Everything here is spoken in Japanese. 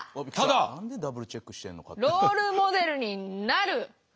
何でダブルチェックしてんのかっていう。